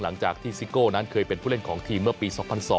หลังจากที่ซิโก้นั้นเคยเป็นผู้เล่นของทีมเมื่อปี๒๐๐๒